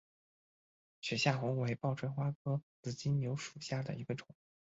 雪下红为报春花科紫金牛属下的一个种。